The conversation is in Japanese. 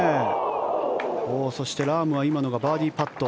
そして、ラームは今のがバーディーパット。